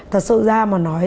thật sự ra mà nói